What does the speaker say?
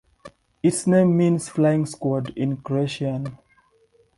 Its name means "Flying Squad" in Croatian.